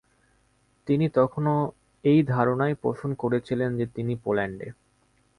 তিনি তখনও এই ধারণাই পোষণ করছিলেন যে তিনি পোল্যান্ডে